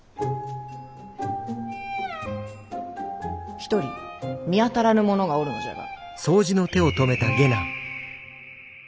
１人見当たらぬ者がおるのじゃが。